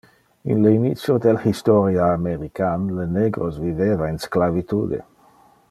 In le initio del historia american, le negros viveva in sclavitude.